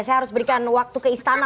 saya harus berikan waktu ke istana